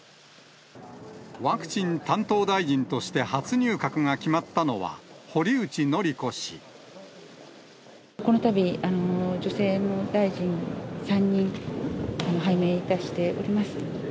ワクチン担当大臣として初入閣が決まったのは、このたび、女性の大臣３人、拝命いたしております。